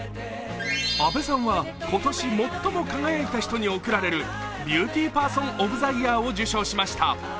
阿部さんは今年最も輝いた人に贈られるビューティーパーソンオブザイヤーを受賞しました。